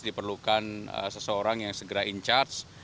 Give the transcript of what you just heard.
diperlukan seseorang yang segera in charge